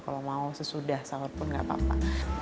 kalau mau sesudah sahur pun nggak apa apa